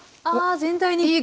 ああ全体に！